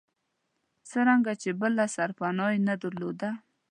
څرنګه چې بله سرپناه یې نه درلوده.